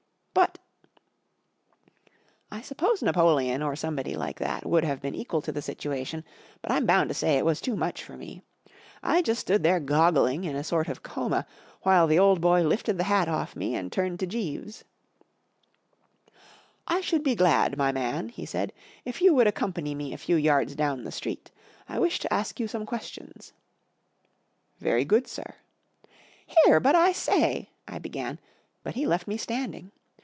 ■ But—'" 1 suppose Napoleon or somebody like that would have been equal to the situation, but I'm bound to say it was too much for me, I just stood there goggling in a sort of coma, while the old boy lifted the hat off me and turned to Jeeves, I should be glad, my man/' he said, " if you would accompany me a few yards down the street, 1 wish to ask you some | questions/* *' Very good, sir/ 1 fl Here, but, 1 say —!" I began, but he left me standing.